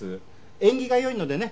縁起が良いのでね